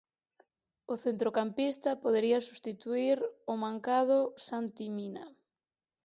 O centrocampista podería substituír o mancado Santi Mina.